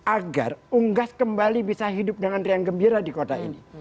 agar unggas kembali bisa hidup dengan riang gembira di kota ini